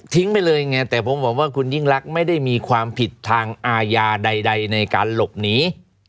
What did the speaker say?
ไปเลยไงแต่ผมบอกว่าคุณยิ่งรักไม่ได้มีความผิดทางอาญาใดในการหลบหนี